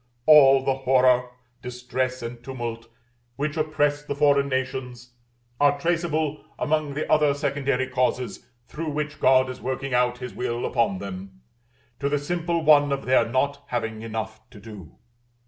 All the horror, distress, and tumult which oppress the foreign nations, are traceable, among the other secondary causes through which God is working out His will upon them, to the simple one of their not having enough to do.